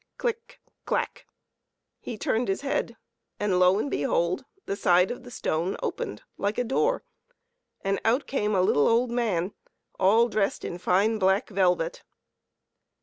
" Click ! clack !" he turned his head, and, lo and behold ! the side of the stone opened like a door, and out came a little old man dressed all in fine black velvet.